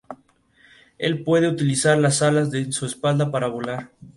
Al día siguiente, el número de muertes se redujo ampliamente.